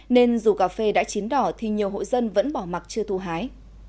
nên dù cà phê đã chín đỏ thì nhiều hộ dân vẫn bỏ mặt chưa thu hái